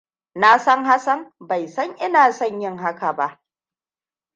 Na san Hassan bai san ina son yin haka ba.